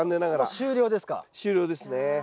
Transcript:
終了ですね。